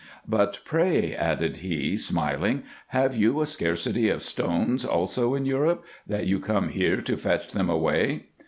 " But pray," added he, smiling, " have you a scarcity of stones also in Europe, that you come here to fetch them away?"